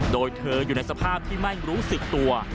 โดยเธออยู่ในสภาพที่ไม่รู้สึกตัว